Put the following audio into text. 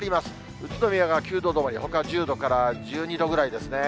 宇都宮が９度止まり、ほかは１０度から１２度ぐらいですね。